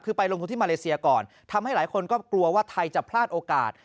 คือไปลงทุนที่มาเลเซียก่อนทำให้หลายคนก็กลัวว่าไทยจะพลาดโอกาส